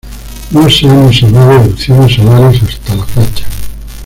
No se han observado erupciones solares hasta la fecha.